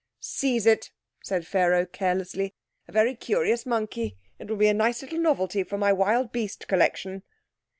"Seize it," said Pharaoh carelessly. "A very curious monkey. It will be a nice little novelty for my wild beast collection."